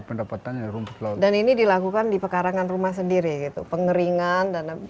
pendapatannya rumput laut dan ini dilakukan di pekarangan rumah sendiri gitu pengeringan dan